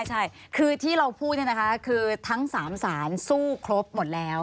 ใช่คือที่เราพูดคือทั้ง๓สารสู้ครบหมดแล้ว